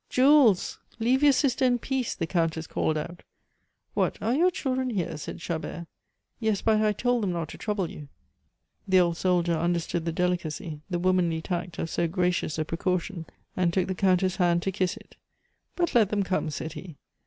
"Jules, leave your sister in peace," the Countess called out. "What, are your children here?" said Chabert. "Yes, but I told them not to trouble you." The old soldier understood the delicacy, the womanly tact of so gracious a precaution, and took the Countess' hand to kiss it. "But let them come," said he.